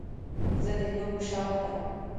زه د لوبو شوق لرم.